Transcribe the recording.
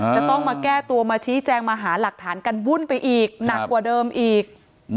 จะต้องมาแก้ตัวมาชี้แจงมาหาหลักฐานกันวุ่นไปอีกหนักกว่าเดิมอีก